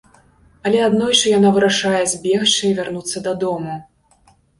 Але аднойчы яна вырашае збегчы і вярнуцца дадому.